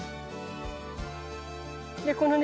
でこのね